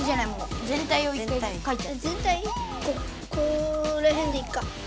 ここらへんでいいか。